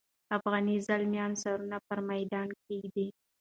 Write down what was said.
افغاني زلمیان سرونه پر میدان ږدي.